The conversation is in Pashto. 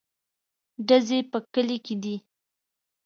_ډزې په کلي کې دي.